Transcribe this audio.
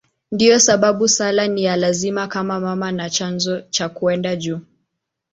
Ndiyo sababu sala ni ya lazima kama mama na chanzo cha kwenda juu.